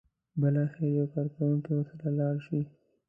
بالاخره یو کارکوونکی ورسره لاړ شي.